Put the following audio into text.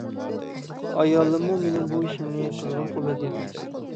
ئايالىممۇ مېنىڭ بۇ ئىشىمنى قىزغىن قوللىدى.